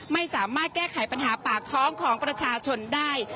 ไม่สามารถแก้ไขปัญหาปากท้องของประชาชนได้